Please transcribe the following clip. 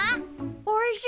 おいしい。